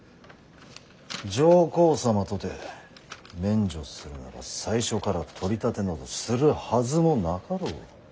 上皇様とて免除するなら最初から取り立てなどするはずもなかろう。